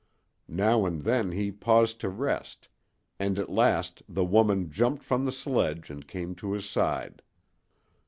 Now and then he paused to rest, and at last the woman jumped from the sledge and came to his side.